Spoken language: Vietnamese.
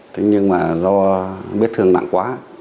thế nhưng mà do biết thương nặng quá